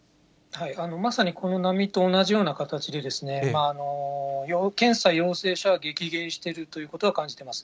まさにこの波と同じような形で、検査陽性者は激減しているということは感じています。